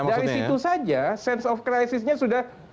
dari situ saja sense of crisisnya sudah